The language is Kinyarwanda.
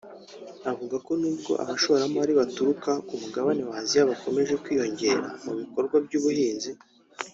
avuga ko nubwo hari abashoramari baturuka ku mugabane w’Aziya bakomeje kwiyongera mu bikorwa by’ubuhinzi